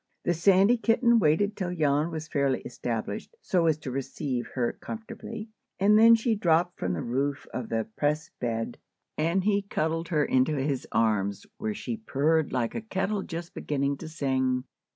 The sandy kitten waited till Jan was fairly established, so as to receive her comfortably, and then she dropped from the roof of the press bed, and he cuddled her into his arms, where she purred like a kettle just beginning to sing.